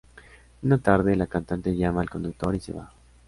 Una tarde la cantante llama al conductor, y se va.